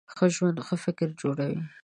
ښه ژوند ښه فکر جوړوي.